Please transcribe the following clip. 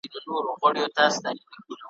رباعیات ,